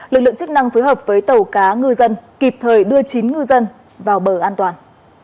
lực lượng chức năng phối hợp với tàu cá ngư dân kịp thời đưa chín ngư dân vào bờ an toàn